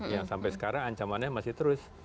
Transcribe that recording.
yang sampai sekarang ancamannya masih terus